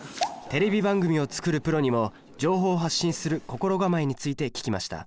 テレビ番組を作るプロにも情報発信する心構えについて聞きました